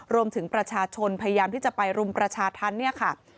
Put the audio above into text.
รวมถึงประชาชนพยายามที่จะไปรุมประชาธันทร์